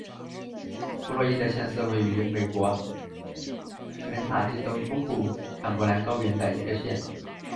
弗洛伊德县是位于美国肯塔基州东部坎伯兰高原的一个县。